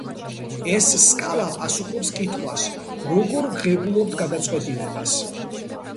ეს სკალა პასუხობს კითხვას: როგორ ვღებულობთ გადაწყვეტილებას?